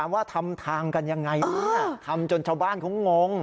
ว่าทำทางกันยังไงทำจนชาวบ้านเขางง